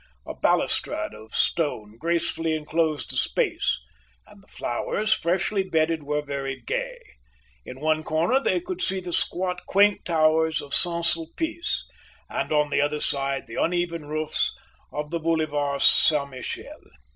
A balustrade of stone gracefully enclosed the space, and the flowers, freshly bedded, were very gay. In one corner they could see the squat, quaint towers of Saint Sulpice, and on the other side the uneven roofs of the Boulevard Saint Michel.